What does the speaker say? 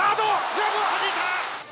グラブをはじいた！